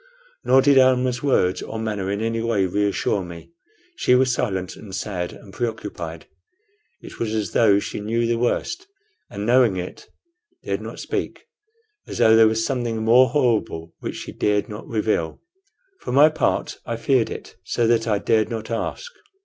Nor did Almah's words or manner in any way reassure me. She was silent and sad and preoccupied. It was as though she knew the worst, and knowing it, dared not speak; as though there was something more horrible which she dared not reveal. For my part, I feared it so that I dared not ask.